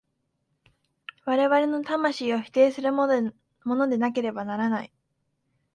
我々の魂を否定するものでなければならない。